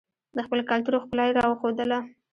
د خپل کلتور ښکلا یې راښودله.